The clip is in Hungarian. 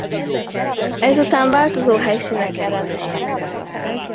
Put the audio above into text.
Ezután változó helyszíneken rendezik meg.